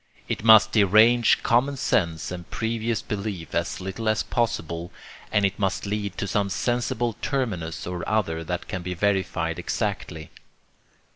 It must derange common sense and previous belief as little as possible, and it must lead to some sensible terminus or other that can be verified exactly.